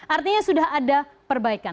artinya sudah ada perbaikan